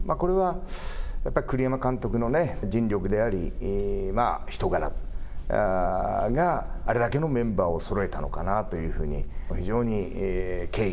これは栗山監督の尽力であり、まあ人柄があれだけのメンバーをそろえたのかなというふうに。